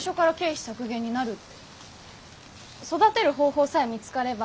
育てる方法さえ見つかれば。